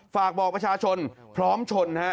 ฝากบอกประชาชนพร้อมชนฮะ